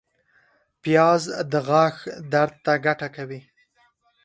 پیاز د غاښ درد ته ګټه کوي